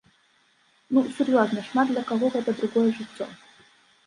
Ну сур'ёзна, шмат для каго гэта другое жыццё!